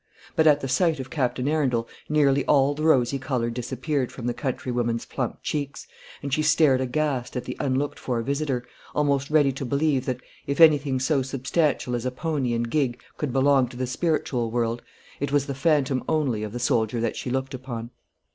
But at the sight of Captain Arundel nearly all the rosy colour disappeared from the country woman's plump cheeks, and she stared aghast at the unlooked for visitor, almost ready to believe that, if anything so substantial as a pony and gig could belong to the spiritual world, it was the phantom only of the soldier that she looked upon.